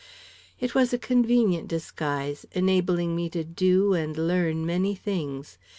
"It was a convenient disguise, enabling me to do and learn many things.